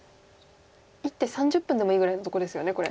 １手３０分でもいいぐらいのところですよねこれ。